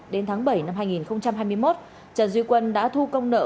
đến tháng bảy năm hai nghìn hai mươi một trần duy quân đã thu công nợ